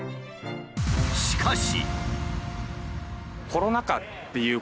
しかし。